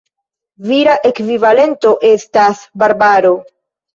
Vira ekvivalento estas Barbaro.